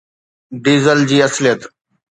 diesel جي اصليت